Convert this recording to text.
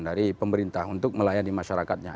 dari pemerintah untuk melayani masyarakatnya